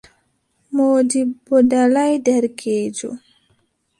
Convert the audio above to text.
Moodibbo ɗalaay derkeejo.